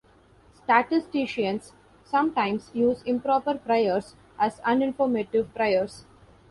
Statisticians sometimes use improper priors as uninformative priors.